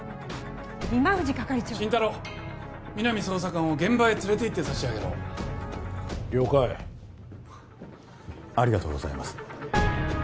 今藤係長心太朗皆実捜査官を現場へ連れていってさしあげろ了解ありがとうございます